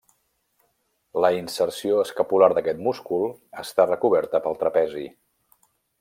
La inserció escapular d'aquest múscul està recoberta pel trapezi.